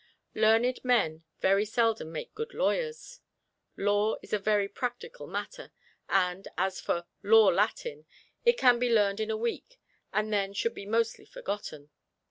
Learned men very seldom make good lawyers. Law is a very practical matter, and as for "Law Latin," it can be learned in a week and then should be mostly forgotten.